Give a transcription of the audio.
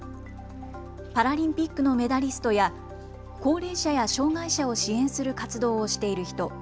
パラリンピックのメダリストや高齢者や障害者を支援する活動をしている人。